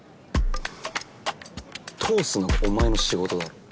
通すのがお前の仕事だろ。